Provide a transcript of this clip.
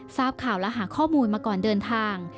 ทราบข่าวและหาข้อมูลมาก่อนเดินทาง